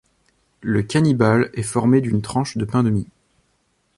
Le cannibale est formé d'une tranche de pain de mie.